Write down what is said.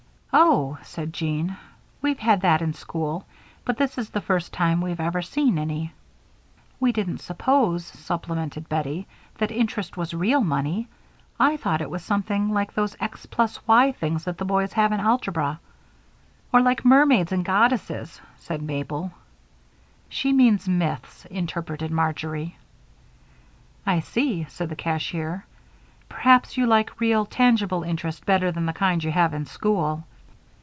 "Oh," said Jean, "we've had that in school, but this is the first time we've ever seen any." "We didn't suppose," supplemented Bettie, "that interest was real money. I thought it was something like those x plus y things that the boys have in algebra." "Or like mermaids and goddesses," said Mabel. "She means myths," interpreted Marjory. "I see," said the cashier. "Perhaps you like real, tangible interest better than the kind you have in school."